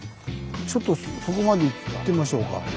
ちょっとそこまで行ってみましょうか。